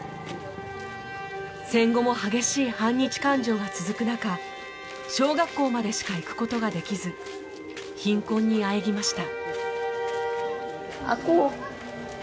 戦後も激しい反日感情が続く中小学校までしか行くことができず貧困にあえぎました。